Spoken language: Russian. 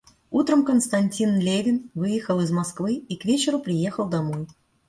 Утром Константин Левин выехал из Москвы и к вечеру приехал домой.